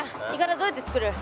どうやって作る？